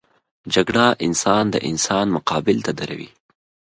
جګړه انسان د انسان مقابل ته دروي